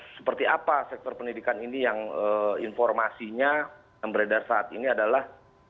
seperti apa sektor pendidikan ini yang informasinya yang beredar saat ini adalah